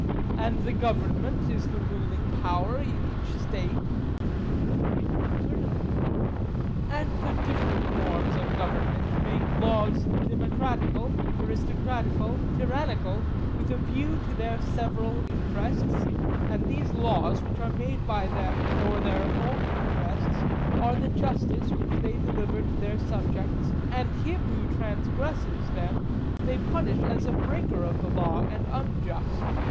And the government is the ruling power in each state? Certainly. And the different forms of government make laws democratical, aristocratical, tyrannical, with a view to their several interests; and these laws, which are made by them for their own interests, are the justice which they deliver to their subjects, and him who transgresses them they punish as a breaker of the law, and unjust.